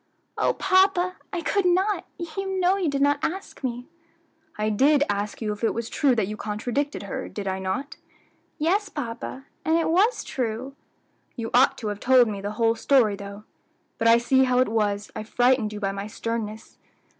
"O papa! I could not; you know you did not ask me." "I did ask you if it was true that you contradicted her, did I not?" "Yes, papa, and it was true." "You ought to have told me the whole story though; but I see how it was I frightened you by my sternness.